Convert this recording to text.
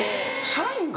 サインが！？